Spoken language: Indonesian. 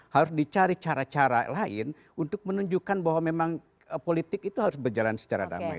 harus dicari cara cara lain untuk menunjukkan bahwa memang politik itu harus berjalan secara damai